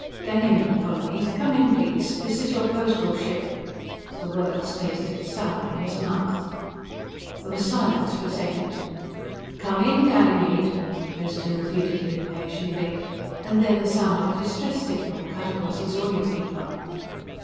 "Ganymede Colony? Come in, please. This is your Postal Ship." The words tasted sour in his mouth. There was silence for a second. "Come in, Ganymede," Preston repeated impatiently and then the sound of a distress signal cut across his audio pickup.